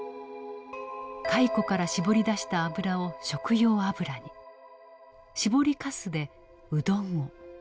蚕から搾り出した油を食用油に搾りかすでうどんを。